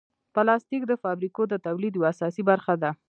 پلاستيک د فابریکو د تولید یوه اساسي برخه ده.